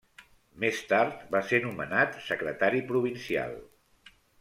Més tard va ser nomenat Secretari Provincial.